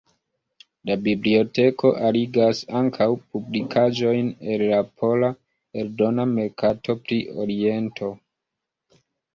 La biblioteko arigas ankaŭ publikaĵojn el la pola eldona merkato pri Oriento.